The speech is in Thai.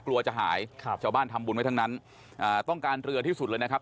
กลัวจะหายครับชาวบ้านทำบุญไว้ทั้งนั้นอ่าต้องการเรือที่สุดเลยนะครับ